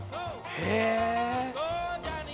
へえ！